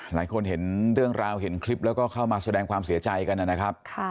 หลายคนเห็นเรื่องราวเห็นคลิปแล้วก็เข้ามาแสดงความเสียใจกันนะครับ